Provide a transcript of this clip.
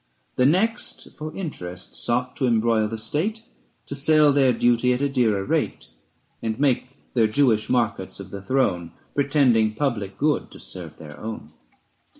500 The next for interest sought to embroil the state, To sell their duty at a dearer rate, And make their Jewish markets of the throne, Pretending public good to serve their own.